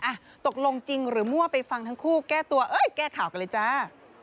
อ่ะตกลงจริงหรือมั่วไปฟังทั้งคู่แก้ตัวเอ้ยแก้ข่าวกันเลยจ้า